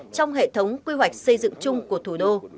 trong hệ thống quy hoạch xây dựng chung của thủ đô